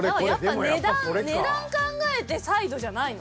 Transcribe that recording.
やっぱ値段考えてサイドじゃないの？